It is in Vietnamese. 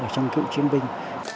trong cựu chiến binh